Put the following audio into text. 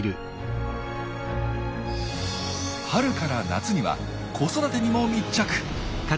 春から夏には子育てにも密着。